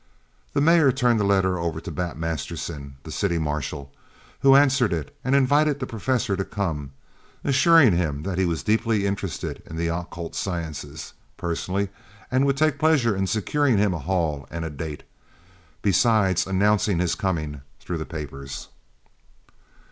The mayor turned the letter over to Bat Masterson, the city marshal, who answered it, and invited the professor to come on, assuring him that he was deeply interested in the occult sciences, personally, and would take pleasure in securing him a hall and a date, besides announcing his coming through the papers.